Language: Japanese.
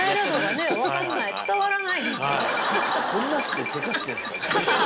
伝わらない。